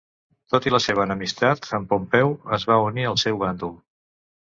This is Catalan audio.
Tot i la seva enemistat amb Pompeu es va unir al seu bàndol.